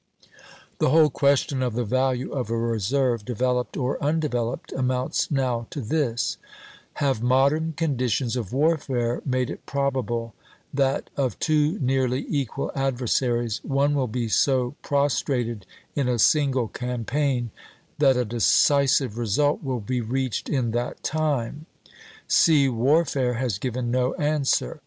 The whole question of the value of a reserve, developed or undeveloped, amounts now to this: Have modern conditions of warfare made it probable that, of two nearly equal adversaries, one will be so prostrated in a single campaign that a decisive result will be reached in that time? Sea warfare has given no answer.